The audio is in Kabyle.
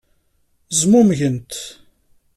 Zmumgent.